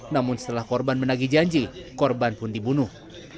namun setelah korban menagi janji korban pun dibunuh